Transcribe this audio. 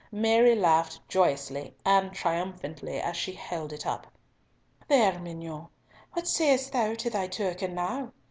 Mary laughed joyously and triumphantly as she held it up. "There, mignonne! What sayest thou to thy token now?